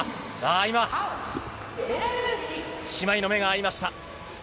今、姉妹の目が合いました。